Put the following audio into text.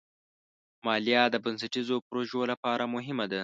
مالیه د بنسټیزو پروژو لپاره مهمه ده.